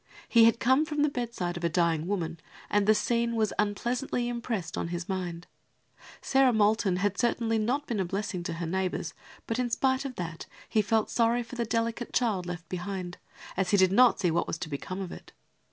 He had come from the bedside of a dying woman and the scene was unpleasantly impressed on his mind. Sarah Moulton had certainly not been a blessing to her neighbours, but, in spite of that, he felt sorry for the delicate child left behind, as he did not see what was to become of it.